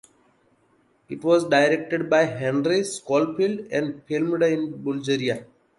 It was directed by Henry Scholfield and filmed in Bulgaria.